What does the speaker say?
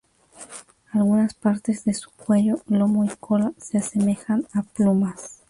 Algunas partes de su cuello, lomo y cola se asemejan a plumas.